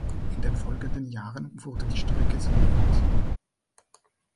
In den folgenden Jahren wurde die Strecke saniert.